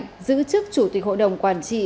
giữ chức chủ tịch hội đồng quản trị